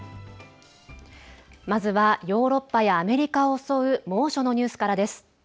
まずはヨーロッパやアメリカを襲う猛暑のニュースからです。